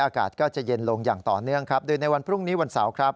อากาศก็จะเย็นลงอย่างต่อเนื่องครับโดยในวันพรุ่งนี้วันเสาร์ครับ